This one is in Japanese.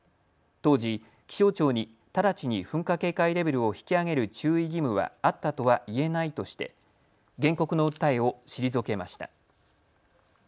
当時、気象庁に直ちに噴火警戒レベルを引き上げる注意義務はあったとは言えないとして原告の訴えを退けました。